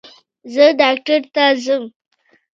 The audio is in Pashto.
زه ډاکټر ته ځم